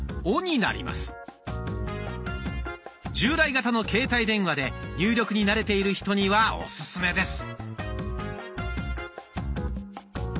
従来型の携帯電話で入力に慣れている人にはオススメです。